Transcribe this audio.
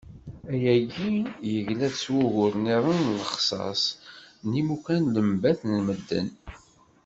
Ayagi yegla-d s wugur-nniḍen n lexṣaṣ n yimukan n lembat n medden.